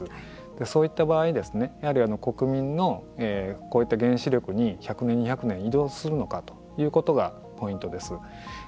そういった場合にやはり国民のこういった原子力に１００年、２００年に依存するのかということがポイントです。